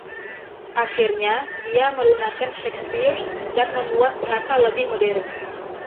Akhirnya, dia melunakkan Shakespeare dan membuat bahasa lebih modern.